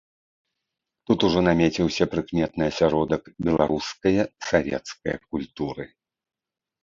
Тут ужо намеціўся прыкметны асяродак беларускае савецкае культуры.